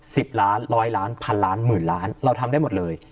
สิบล้านร้อยล้านพันล้านหมื่นล้านเราทำได้หมดเลย